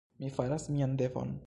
Mi faras mian devon.